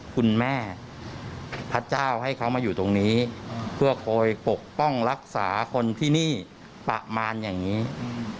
คุณแม่พระเจ้าให้เขามาอยู่ตรงนี้เพื่อคอยปกป้องรักษาคนที่นี่ประมาณอย่างงี้อืม